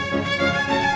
ya udah mbak